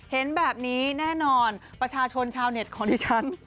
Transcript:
เห็นแบบนี้แน่นอนประชาชนชาวเน็ตของดิฉัน